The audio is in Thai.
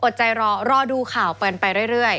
อดใจรอรอดูข่าวเปินไปเรื่อย